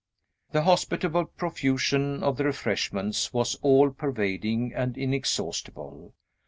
The hospitable profusion of the refreshments was all pervading and inexhaustible.